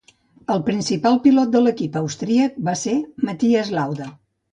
El principal pilot de l'equip austríac va ser Mathias Lauda.